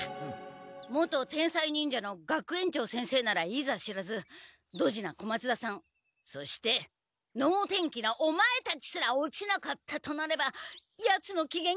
元天才忍者の学園長先生ならいざ知らずドジな小松田さんそしてのうてんきなオマエたちすら落ちなかったとなればヤツのきげんが悪くなるのは明白！